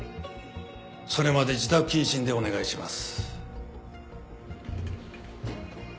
それまで自宅謹慎でお願いします。